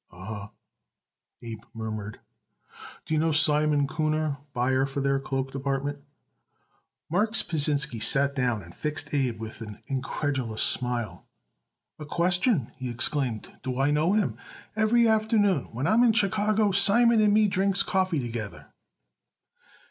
"Huh, huh," Abe murmured. "Do you know Simon Kuhner, buyer for their cloak department?" Marks Pasinsky sat down and fixed Abe with an incredulous smile. "A question!" he exclaimed. "Do I know him? Every afternoon, when I am in Chicago, Simon and me drinks coffee together."